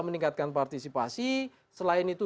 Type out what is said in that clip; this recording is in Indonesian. meningkatkan partisipasi selain itu